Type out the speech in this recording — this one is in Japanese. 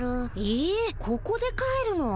ええここで帰るの？